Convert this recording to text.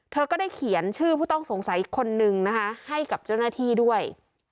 เธอก็ได้เขียนชื่อผู้ต้องสงสัยอีกคนนึงนะคะให้กับเจ้าหน้าที่ด้วย